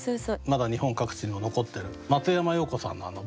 まだ日本各地の残ってる松山容子さんのあの某